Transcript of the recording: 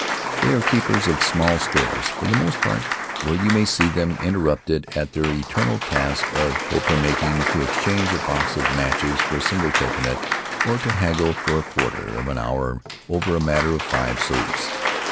They are keepers of small stores, for the most part, where you may see them interrupted at their eternal task of copra making to exchange a box of matches for a single coconut or to haggle for a quarter of an hour over a matter of five sous.